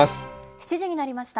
７時になりました。